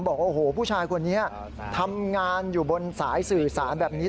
บอกว่าโอ้โหผู้ชายคนนี้ทำงานอยู่บนสายสื่อสารแบบนี้